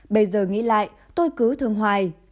bây giờ nghĩ lại tôi cứ thương hoài